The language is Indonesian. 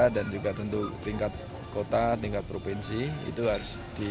dan juga tentu tingkat kota tingkat provinsi